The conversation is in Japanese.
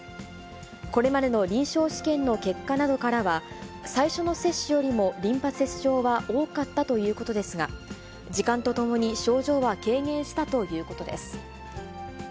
これまでの臨床試験の結果などからは、最初の接種よりもリンパ節症は多かったということですが、時間とともに症状は軽減したということです。